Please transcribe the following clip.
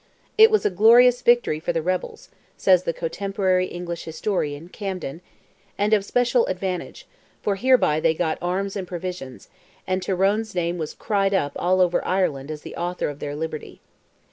"It was a glorious victory for the rebels," says the cotemporary English historian, Camden, "and of special advantage: for hereby they got arms and provisions, and Tyrone's name was cried up all over Ireland as the author of their liberty."